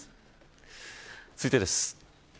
続いてです。